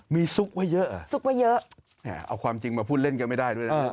มีซุกไว้เยอะเอาความจริงมาพูดเล่นกันไม่ได้ด้วยนะ